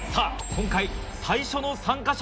今回最初の参加者は。